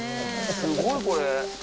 すごいこれ。